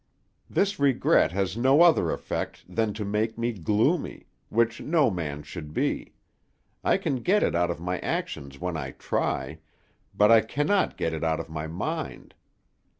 This regret has no other effect than to make me gloomy, which no man should be; I can get it out of my actions when I try, but I cannot get it out of my mind.